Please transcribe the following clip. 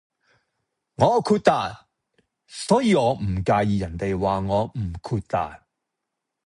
我豁達，所以我唔介意人地話我唔豁達